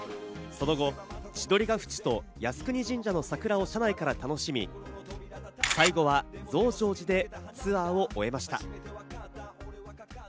その後、千鳥ヶ淵と靖国神社の桜を車内から楽しみ、最後は増上寺でツアーを終えました。